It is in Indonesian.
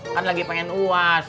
kan lagi pengen uas